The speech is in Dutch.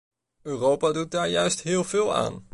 Europa doet daar juist heel veel aan.